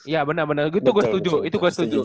ya benar benar gitu gue setuju itu gue setuju